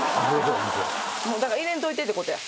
だから、入れんといてって事や。